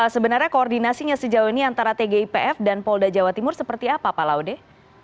sebenarnya koordinasinya sejauh ini antara tgipf dan polda jawa timur seperti apa pak laude